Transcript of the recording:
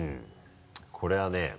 これはね